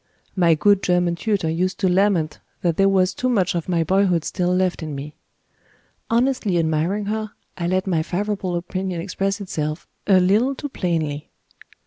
My good German tutor used to lament that there was too much of my boyhood still left in me. Honestly admiring her, I let my favorable opinion express itself a little too plainly.